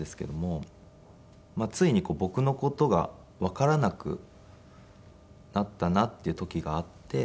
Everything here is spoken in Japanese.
ついに僕の事がわからなくなったなっていう時があって。